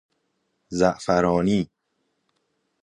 زعفرانی